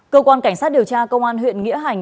cơ quan cảnh sát điều tra công an huyện nghĩa hành